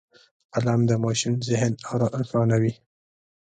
قلم د ماشوم ذهن روښانوي